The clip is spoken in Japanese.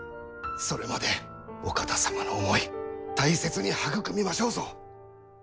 それまでお方様の思い大切に育みましょうぞ。